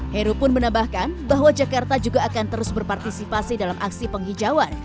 heru pun menambahkan bahwa jakarta juga akan terus berpartisipasi dalam aksi penghijauan